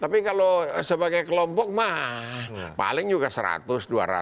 tapi kalau sebagai kelompok mah paling juga seratus dua ratus